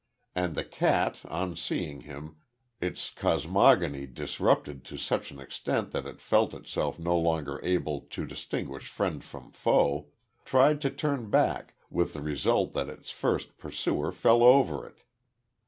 And the cat, on seeing him, its cosmogony disrupted to such an extent that it felt itself no longer able to distinguish friend from foe, tried to turn back with the result that its first pursuer fell over it.